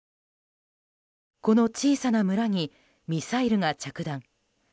この小さな村にミサイルが着弾。